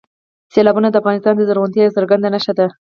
سیلابونه د افغانستان د زرغونتیا یوه څرګنده نښه ده.